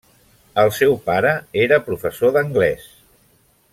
El seu pare era professor d'anglès.